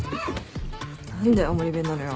何で青森弁なのよ？